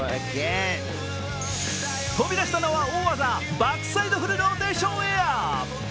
飛びだしたのは大技、バックサイドフルローテーションエアー。